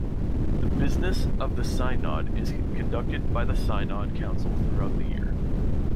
The business of the synod is conducted by the synod council throughout the year.